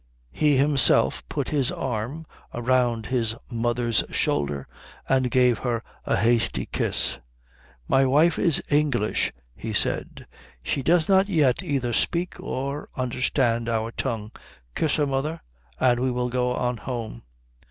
He himself put his arm round his mother's shoulder and gave her a hasty kiss. "My wife is English," he said. "She does not yet either speak or understand our tongue. Kiss her, mother, and we will go on home."